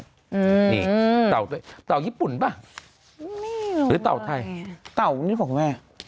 อืมนี่เต่าเต่ายิปุ่นป่ะไม่รู้เลยหรือเต่าไทยเต่านี่ของแม่